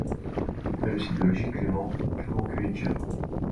The legislative power is vested in the Federal Assembly, which makes and passes laws.